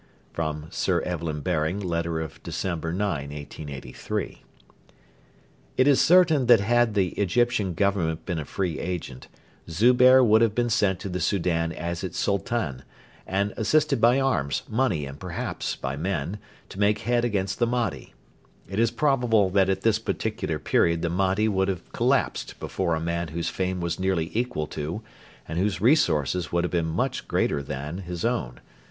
'[Sir Evelyn Baring, letter of December 9, 1883.] It is certain that had the Egyptian Government been a free agent, Zubehr would have been sent to the Soudan as its Sultan, and assisted by arms, money, and perhaps by men, to make head against the Mahdi. It is probable that at this particular period the Mahdi would have collapsed before a man whose fame was nearly equal to, and whose resources would have been much greater than, his own.